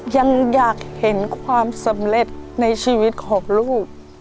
ยังอยากเห็นความสำเร็จในชีวิตของลูก